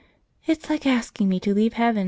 "It's like asking me to leave Heaven."